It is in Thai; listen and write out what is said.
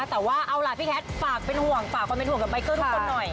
แต่ว่าเอาล่ะพี่แคทฝากเป็นห่วงฝากความเป็นห่วงกับใบเกอร์ทุกคนหน่อย